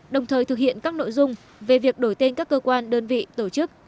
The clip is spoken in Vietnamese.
đồng thời thực hiện các nội dung về việc đổi tên các cơ quan đơn vị tổ chức